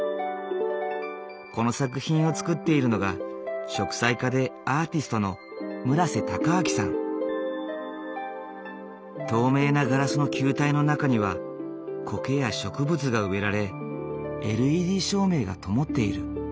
この作品を作っているのが透明なガラスの球体の中にはコケや植物が植えられＬＥＤ照明がともっている。